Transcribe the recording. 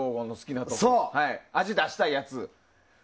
味を出したいやつね。